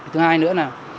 thứ hai nữa là